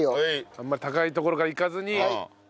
あんまり高い所からいかずに。